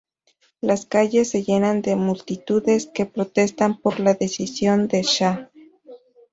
Las calles se llenan de multitudes que protestan por la decisión del shah.